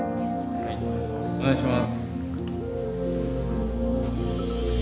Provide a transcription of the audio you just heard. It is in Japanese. お願いします。